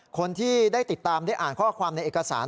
คนที่ได้ติดตามได้อ่านข้อความในเอกสาร